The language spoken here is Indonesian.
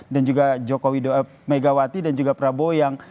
dan juga jokowi megawati dan juga prabowo